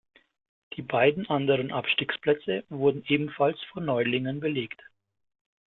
Die beiden anderen Abstiegsplätze wurden ebenfalls von Neulingen belegt.